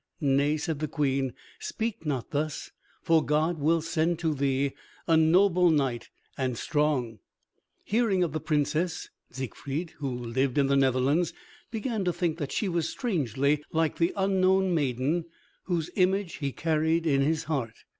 "Nay," said the Queen, "Speak not thus, for God will send to thee a noble knight and strong." Hearing of the Princess, Siegfried, who lived in the Netherlands, began to think that she was strangely like the unknown maiden whose image he carried in his heart.